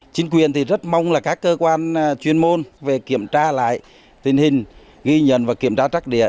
chính quyền thì rất mong là các cơ quan chuyên môn về kiểm tra lại tình hình ghi nhận và kiểm tra trắc địa